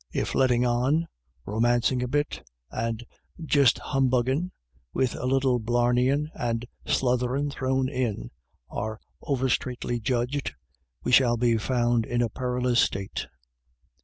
If " lettin' on," " romancing a bit," and " just humbugging" with a little blarneying and sluthering thrown in, are over straitly judged, we shall be found in a parlous state.